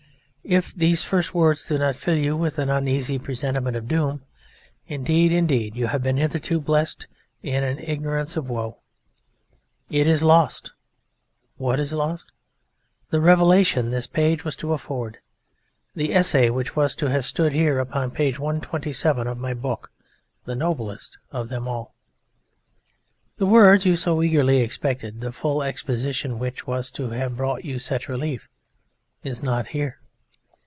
If these first words do not fill you with an uneasy presentiment of doom, indeed, indeed you have been hitherto blessed in an ignorance of woe. It is lost! What is lost? The revelation this page was to afford. The essay which was to have stood here upon page 127 of my book: the noblest of them all. The words you so eagerly expected, the full exposition which was to have brought you such relief, is not here.